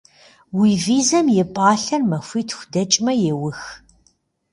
Уи визэм и пӏалъэр махуитху дэкӏмэ еух.